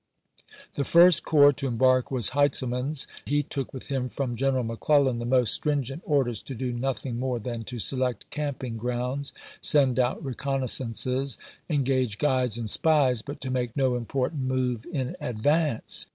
^ The first corps to embark was Heintzelman's ; he took with him from General McClellan the most stringent orders to do nothing more than to select camping grounds, send out reconnaissances, en gage guides and spies, " but to make no important move in advance."